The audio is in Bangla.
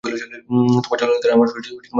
তোমার চুলের কালার আমার খুব পছন্দ হয়েছে।